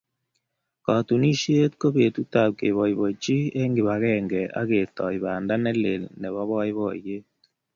Katunisyet ko betutab keboibochi eng kibagenge ak ketoi banda ne lel nebo boiboiyet.